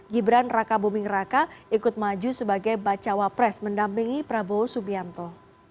gibran raka buming raka ikut maju sebagai bacawa pres mendampingi prabowo subianto